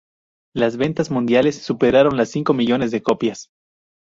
Las ventas mundiales superaron las cinco millones de copias.